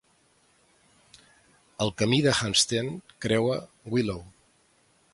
El camí de Hamstead creua Wellow.